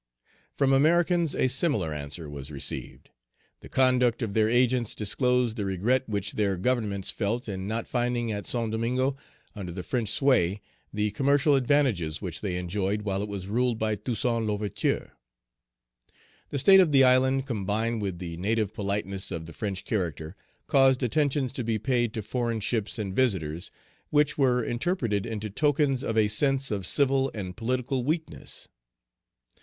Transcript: From Americans a similar answer was received. The conduct of their agents disclosed the regret which their governments felt in not finding at Saint Domingo, under the French sway, the commercial advantages which they enjoyed while it was ruled by Toussaint L'Ouverture. The state of the island, combined with the native politeness of the French character, caused attentions to be paid to Page 218 foreign ships and visitors, which were interpreted into tokens of a sense of civil and political weakness.